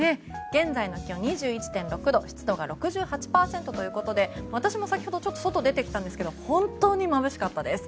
現在の気温、２１．６度湿度が６８％ということで私も先ほど外に出てきたんですけども本当にまぶしかったです。